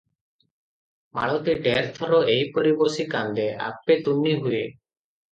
ମାଳତୀ ଢେର ଥର ଏହିପରି ବସି କାନ୍ଦେ, ଆପେ ତୁନି ହୁଏ ।